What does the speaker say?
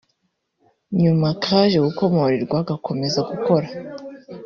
nyuma kaje gukomorerwa kagakomeza gukora